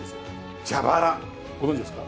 ご存じですか？